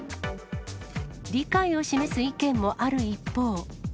理解を示す意見もある一方。